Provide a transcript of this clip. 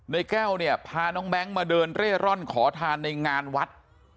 แก้วเนี่ยพาน้องแบงค์มาเดินเร่ร่อนขอทานในงานวัด